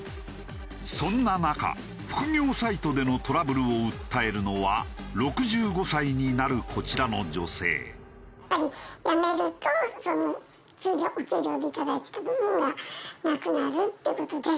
そんな中副業サイトでのトラブルを訴えるのは６５歳になるこちらの女性。っていうような事で。